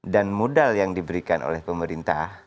dan modal yang diberikan oleh pemerintah